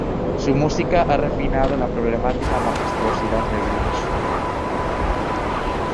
Su música ha refinado la problemática majestuosidad del grunge".